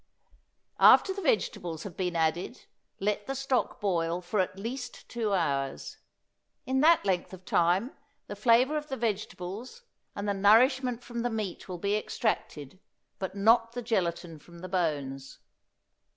After the vegetables have been added let the stock boil for at least two hours. In that length of time the flavor of the vegetables and the nourishment from the meat will be extracted, but not the gelatine from the bones.